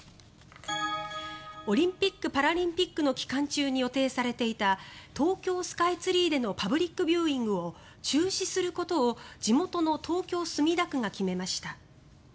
オリンピック・パラリンピックの期間中に予定されていた東京スカイツリーでのパブリックビューイングを中止することを地元の東京・墨田区が決めました。